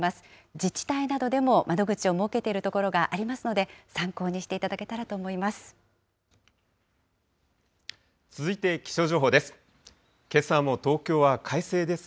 自治体などでも窓口を設けている所がありますので、参考にしていただけたらと思います。